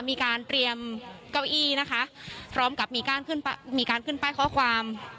มีการเตรียมเก้าอี้นะคะพร้อมกับมีการขึ้นมีการขึ้นป้ายข้อความ